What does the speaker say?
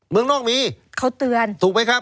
เมืองนอกมีเขาเตือนถูกไหมครับ